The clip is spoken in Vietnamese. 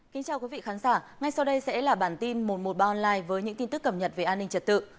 kính chào quý vị khán giả ngay sau đây sẽ là bản tin một trăm một mươi ba online với những tin tức cập nhật về an ninh trật tự